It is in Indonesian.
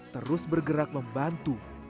terus bergerak membantu